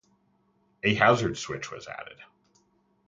A hazard switch was added.